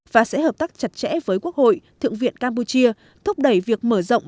và sẽ hợp tác chặt chẽ với quốc hội thượng viện campuchia thúc đẩy việc mở rộng